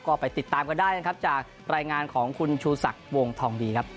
ก็ไปติดตามกันได้นะครับจากรายงานของคุณชูศักดิ์วงทองดีครับ